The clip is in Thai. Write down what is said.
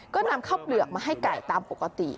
ก็นำข้าวเปลือกมาให้ไก่ตามปกติ